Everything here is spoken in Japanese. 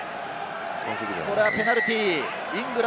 これはペナルティー。